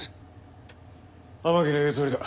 天樹の言うとおりだ。